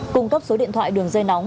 cùng cấp số điện thoại đường dây nóng